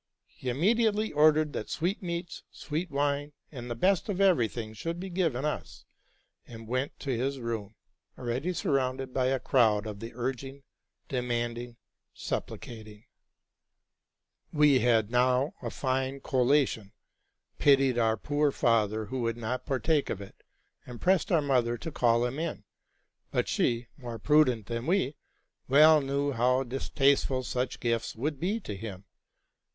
'' He immediately ordered that sweetmeats, sweet wine, and the best of every thing should be given us, and went to his room, already surrounded by a crowd of the urging, demanding, supplicating. RELATING TO MY LIFE. 83 We had now a fifie collation, pitied our poor father who would not partake of it, and pressed our mother to call him in; but she, more prudent than we, well knew how distasteful such gifts would be to him.